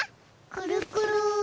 くるくる。